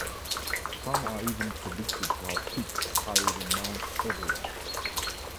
Some are even predicted to have peaks higher than Mount Everest.